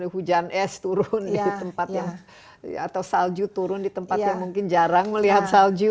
hujan es turun di tempat yang atau salju turun di tempat yang mungkin jarang melihat salju